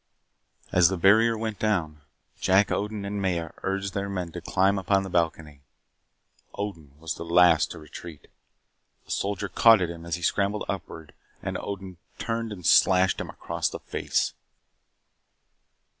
As the barrier went down, Jack Odin and Maya urged their men to climb upon the balcony. Odin was the last to retreat. A soldier caught at him as he scrambled upward and Odin turned and slashed him across the face.